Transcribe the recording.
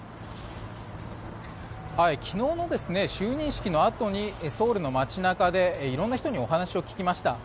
昨日の就任式のあとにソウルの街中で色んな人にお話を聞きました。